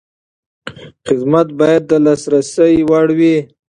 خدمت باید د لاسرسي وړ وي.